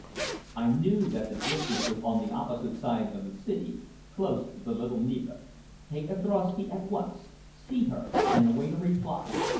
I knew that the district was on the opposite side of the city, close to the Little Neva. "Take a drosky at once, see her, and await a reply.